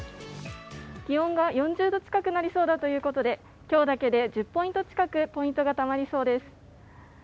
気温が４０度近くなりそうだということで今日だけで１０ポイント近くポイントがたまりそうです。